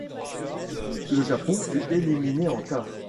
Le Japon fut éliminé en quarts.